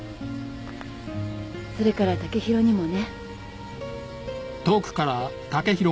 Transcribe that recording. それから剛洋にもね。